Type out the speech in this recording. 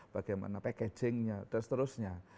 bagaimana packagingnya dan seterusnya